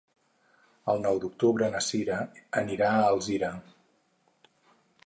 El nou d'octubre na Cira anirà a Alzira.